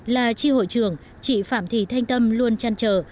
là tri hội trưởng chị phạm thị thanh tâm luôn chăn trở